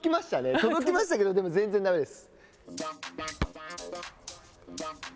届きましたけど全然だめです。